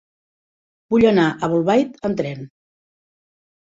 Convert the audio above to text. Vull anar a Bolbait amb tren.